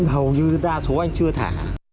hầu như đa số anh chưa thả